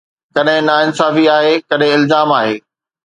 ڪڏهن ناانصافي آهي، ڪڏهن الزام آهي